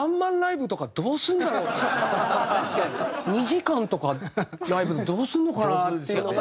２時間とかのライブどうするのかなっていうのが。